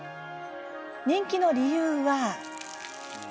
人気の理由は？